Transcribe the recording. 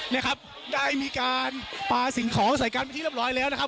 นะครับได้มีการปลาสิ่งของใส่กันเป็นที่เรียบร้อยแล้วนะครับ